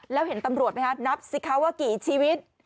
แล้วเห็นตำรวจมั้ยครับนับสิเขาว่ากี่ชีวิต